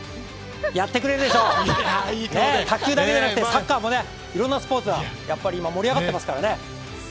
やってくれるでしょう、卓球だけではなくてサッカーもね、いろんなスポーツが今盛り上がってますからね。